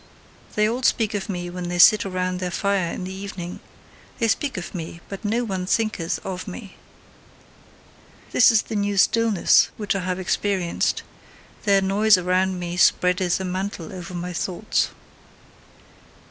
They all speak of me when they sit around their fire in the evening they speak of me, but no one thinketh of me! This is the new stillness which I have experienced: their noise around me spreadeth a mantle over my thoughts.